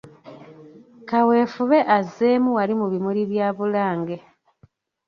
Kaweefube azeemu wali mu bimuli bya Bulange